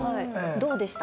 どうでした？